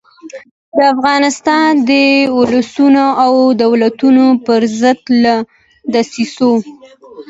د افغانستان د اولسونو او دولتونو پر ضد له دسیسو.